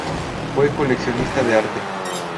Fue coleccionista de arte.